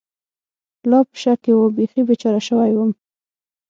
لا په شک کې و، بېخي بېچاره شوی ووم.